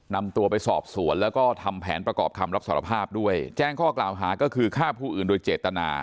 นำตัวไปสอบสวนแล้วก็ทำแผนประกอบคำรับสารภาพด้วยแจ้งข้อกล่าวหาก็คือฆ่าผู้อื่นโดยเจตนา